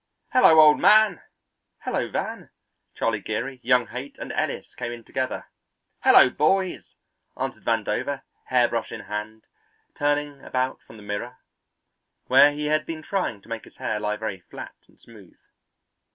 "Hello, old man!" "Hello, Van!" Charlie Geary, young Haight, and Ellis came in together. "Hello, boys!" answered Vandover, hairbrush in hand, turning about from the mirror, where he had been trying to make his hair lie very flat and smooth.